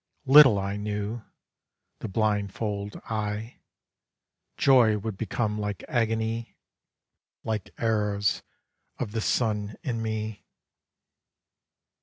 Little I knew, the blind fold I, Joy would become like agony, Like arrows of the Sun in me!